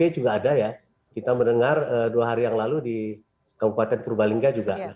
juga ada ya kita mendengar dua hari yang lalu di kabupaten purbalingga juga